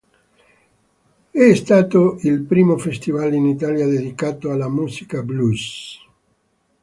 È stato il primo festival in Italia dedicato alla musica blues.